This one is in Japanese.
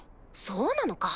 そうなのか？